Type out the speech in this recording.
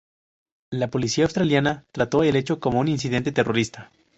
La policía australiana trato el hecho como un "incidente terrorista".